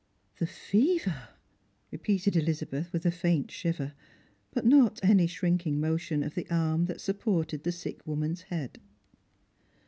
" The fever !" repeated Elizabeth, with a faint shiver, but not any shrinking motion of the arm that supported the sick woman's head.